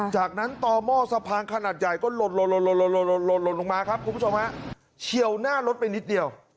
จากนั้นต่อหม้อสะพานขนาดใหญ่ก็หล่นลงมาครับคุณผู้ชมฮะเฉียวหน้ารถไปนิดเดียว